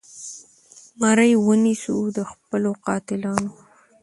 مرۍ ونیسو د خپلو قاتلانو